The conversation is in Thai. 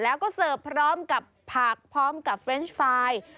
แล้วก็เสิร์ฟพร้อมกับผักพร้อมกับเรนส์ไฟล์